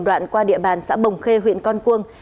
đoạn qua địa bàn xã bồng khê huyện con cuông